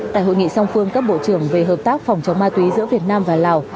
tại hội nghị song phương các bộ trưởng về hợp tác phòng chống ma túy giữa việt nam và lào